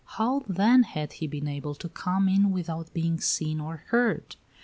How then had he been able to come in without being seen or heard?